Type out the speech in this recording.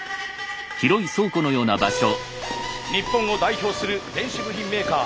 日本を代表する電子部品メーカー。